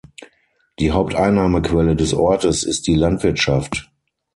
Die Haupteinnahmequelle des Ortes ist die Landwirtschaft.